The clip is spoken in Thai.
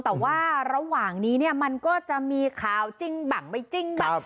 แต่ว่าระหว่างนี้เนี่ยมันก็จะมีข่าวจริงบังไม่จริงบ้าง